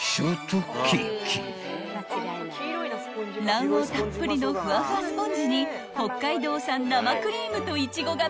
［卵黄たっぷりのフワフワスポンジに北海道産生クリームとイチゴがびっしり］